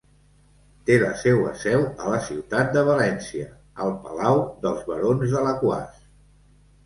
Té la seua seu a la ciutat de València, al palau dels Barons d'Alaquàs.